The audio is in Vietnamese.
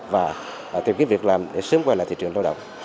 và tìm kiếm việc làm để sớm quay lại thị trường lao động